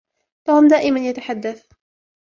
توم دائما يتحدث